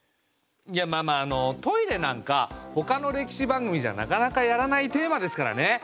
いやまあまああのトイレなんか他の歴史番組じゃなかなかやらないテーマですからね。